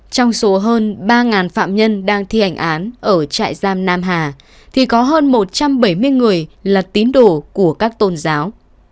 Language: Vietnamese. trong số hơn ba phạm nhân đang thi hành án ở trại giam nam hà thì có hơn một trăm bảy mươi người là tín đồ của các tôn giáo